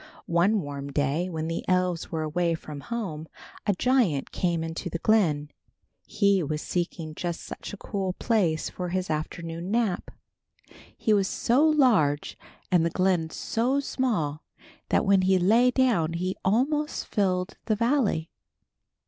One warm day when the elves were away from home, a giant came into the glen. He was seeking just such a cool place for his afternoon nap. He was so large and the glen so small that when he lay down he almost filled the valley.